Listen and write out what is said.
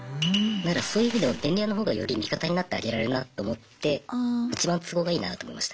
そういう意味でも便利屋のほうがより味方になってあげられるなと思っていちばん都合がいいなと思いました。